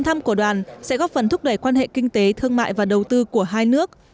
thăm của đoàn sẽ góp phần thúc đẩy quan hệ kinh tế thương mại và đầu tư của hai nước